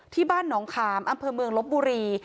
ที่บ้านหนองขามอำเภอเมืองลบบุรี